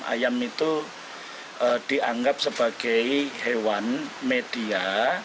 ayam itu dianggap sebagai hewan media